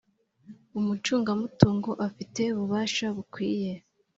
Umucungamutungo afite ububasha bukwiye